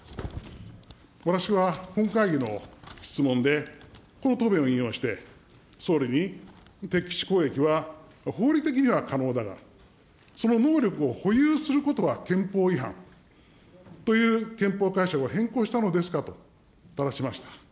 私は本会議の質問で、この答弁を引用して、総理に敵基地攻撃は、法理的には可能だが、その能力を保有することは憲法違反という憲法解釈を変更したのですかとただしました。